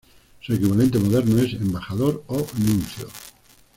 Su equivalente moderno es embajador o nuncio.